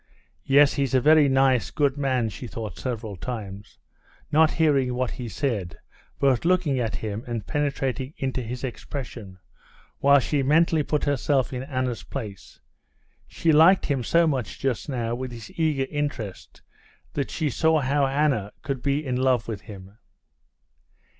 "Yes, he's a very nice, good man," she thought several times, not hearing what he said, but looking at him and penetrating into his expression, while she mentally put herself in Anna's place. She liked him so much just now with his eager interest that she saw how Anna could be in love with him.